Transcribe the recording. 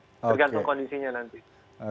tergantung kondisinya nanti